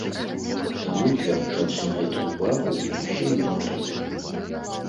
Таму звяртаць на гэта ўвагу зусім не трэба.